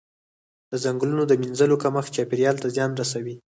د ځنګلونو د مینځلو کمښت چاپیریال ته زیان رسوي.